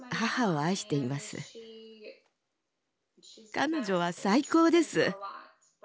彼女は最高です。